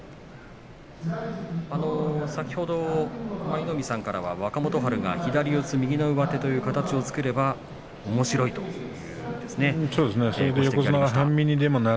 先ほど舞の海さんからは若元春が左四つ右の上手という形を作ればおもしろいという話がありましたね。